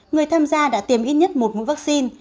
người tham gia đã tìm ít nhất một mũi vaccine